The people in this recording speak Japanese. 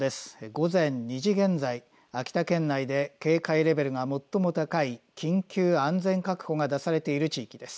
午前２時現在秋田県内で警戒レベルが最も高い緊急安全確保が出されている地域です。